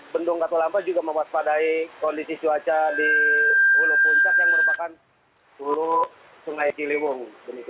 bendung katulampa juga mewaspadai kondisi cuaca di hulu puncak yang merupakan hulu sungai ciliwung